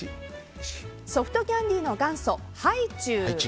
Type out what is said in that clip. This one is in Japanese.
ソフトキャンディの元祖ハイチュウ。